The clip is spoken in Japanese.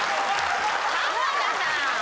浜田さん！